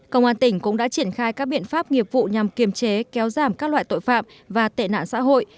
công an tỉnh cũng đã triển khai các biện pháp nghiệp vụ nhằm kiềm chế kéo giảm các loại tội phạm và tệ nạn xã hội